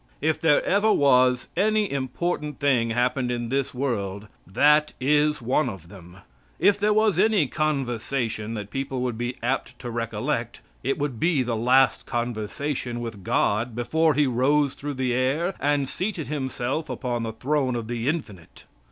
If there ever was any important thing happened in this world, that is one of them. If there was any conversation that people would be apt to recollect, it would be the last conversation with God before He rose through the air and seated Himself upon the throne of the Infinite.